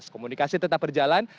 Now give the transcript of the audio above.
komunikasi tetap berjalan